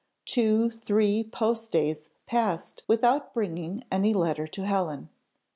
Two, three post days passed without bringing any letter to Helen.